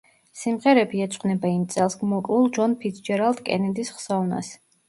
სიმღერები ეძღვნება იმ წელს მოკლულ ჯონ ფიცჯერალდ კენედის ხსოვნას.